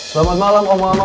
selamat malam oma oma